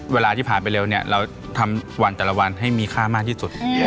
เวลาที่ผ่านไปเร็วเนี่ยเราทำวันแต่ละวันให้มีค่ามากที่สุด